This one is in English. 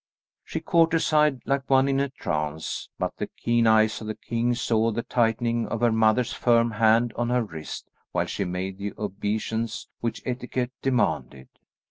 She courtesied like one in a trance; but the keen eyes of the king saw the tightening of her mother's firm hand on her wrist while she made the obeisance which etiquette demanded.